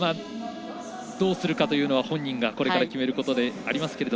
どうするかというのは本人がこれから決めることでありますけど。